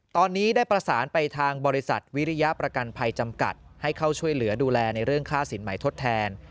ตอนนี้ได้ประสานไปทางบริษัทวิริยประกันภัยจำกัดให้เข้าช่วยเหลือดูแลในเรื่องค่าสินใหม่ทดแทน